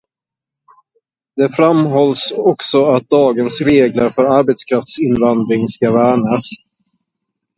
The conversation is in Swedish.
Det framhålls också att dagens regler för arbetskraftsinvandring ska värnas.